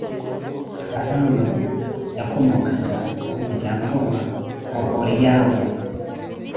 hiramu yakomokaga mu muryango wa oholiyabu